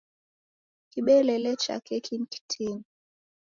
Kibelele cha keki ni kitini.